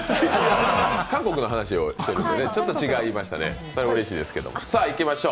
韓国の話をしていますんで、違いましたね、うれしいですけど。